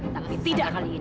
tanggung jawab tidak kali ini